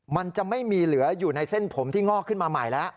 มันจะไม่มีเหลืออยู่ในเส้นผมที่งอกขึ้นมาใหม่แล้ว